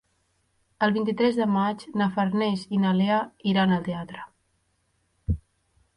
El vint-i-tres de maig na Farners i na Lea iran al teatre.